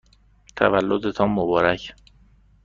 تولدتان مبارک!